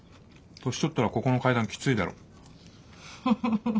年取ったらここの階段きついだろ。